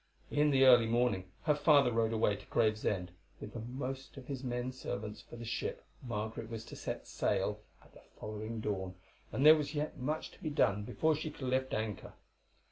In the early morning her father rode away to Gravesend with the most of his men servants for the ship Margaret was to sail at the following dawn and there was yet much to be done before she could lift anchor.